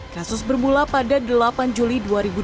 kasus bermula pada delapan juli dua ribu dua puluh